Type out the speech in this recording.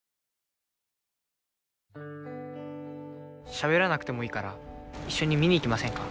しゃべらなくてもいいから一緒に見に行きませんか？